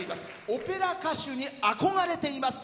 オペラ歌手に憧れています。